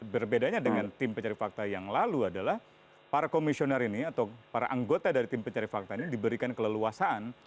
berbedanya dengan tim pencari fakta yang lalu adalah para komisioner ini atau para anggota dari tim pencari fakta ini diberikan keleluasaan